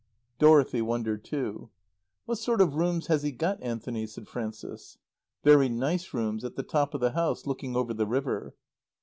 Dorothy wondered too. "What sort of rooms has he got, Anthony?" said Frances. "Very nice rooms, at the top of the house, looking over the river."